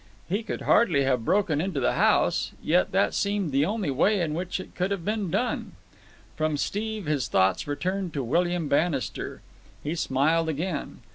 He could hardly have broken into the house. Yet that seemed the only way in which it could have been done. From Steve his thoughts returned to William Bannister. He smiled again.